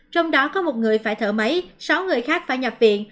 trong đó có một người phải thở máy sáu người khác phải nhập viện